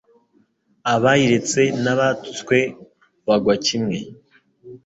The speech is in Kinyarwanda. abayiretse nabatutswe bagwa kimwe